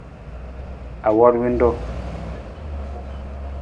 Awur ruu?